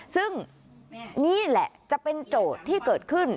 ซึ่งนี่แหละจะเป็นโจทย์ที่เกิดขึ้น